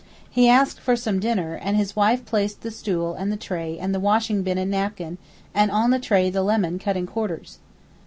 He asked for some dinner, and his wife placed the stool and the tray and the washing basin and napkin, and in the tray the lemon cut in quarters.